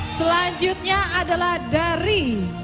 selanjutnya adalah dari